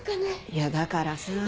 いやだからさぁ。